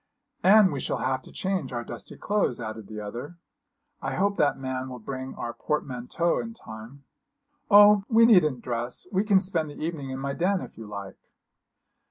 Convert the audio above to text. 'And we shall have to change our dusty clothes,' added the other; 'I hope that man will bring our portmanteaux in time.' 'Oh, we needn't dress. We can spend the evening in my den, if you like!'